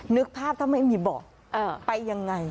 นึกภาพถ้าไม่มีบอกไปอย่างไร